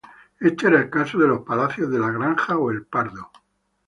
Este era el caso de los palacios de La Granja o El Pardo.